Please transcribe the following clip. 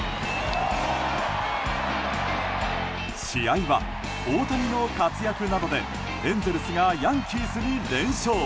試合は大谷の活躍などでエンゼルスがヤンキースに連勝。